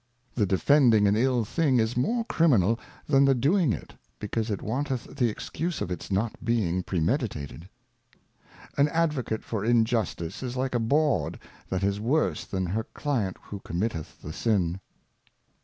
The defending an ill Thing is more criminal than the doing it, because it wanteth the Excuse of its not being premeditated. An Advocate for Injustice is like a Bawd that is worse than her Client who committeth the Sin.